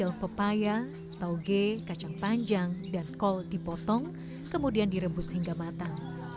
daun pepaya tauge kacang panjang dan kol dipotong kemudian direbus hingga matang